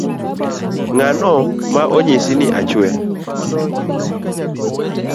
Ng’a ma onyisi ni achwe?